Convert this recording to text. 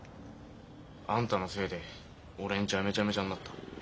「あんたのせいで俺んちはめちゃめちゃになった」。